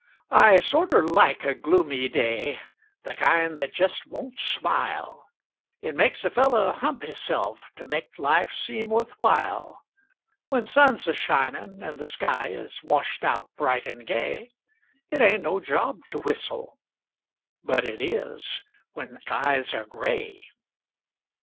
I sorter like a gloomy day, Th' kind that jest won't smile; It makes a feller hump hisself T' make life seem wuth while. When sun's a shinin' an' th' sky Is washed out bright an' gay, It ain't no job to whistle but It is When skies air gray!